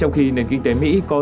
ra thị trường này đuổi cho